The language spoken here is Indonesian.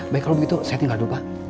baik kalau begitu saya tinggal dulu pak